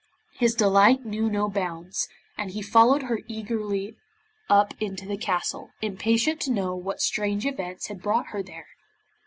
His delight knew no bounds, and he followed her eagerly up into the castle, impatient to know what strange events had brought her there.